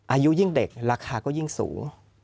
อายุยิ่งเด็กราคาก็ยิ่งสูง